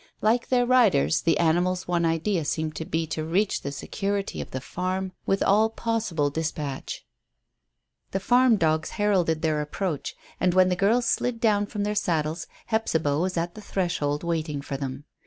Like their riders, the animals' one idea seemed to be to reach the security of the farm with all possible dispatch. The farm dogs heralded their approach, and when the girls slid down from their saddles Hephzibah was at the threshold waiting for them.